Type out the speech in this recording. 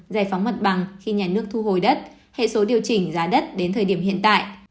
giải phóng mặt bằng khi nhà nước thu hồi đất hệ số điều chỉnh giá đất đến thời điểm hiện tại